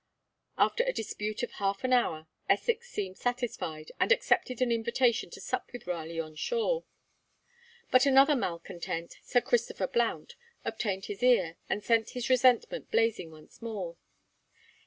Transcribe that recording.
After a dispute of half an hour, Essex seemed satisfied, and accepted an invitation to sup with Raleigh on shore. But another malcontent, Sir Christopher Blount, obtained his ear, and set his resentment blazing once more.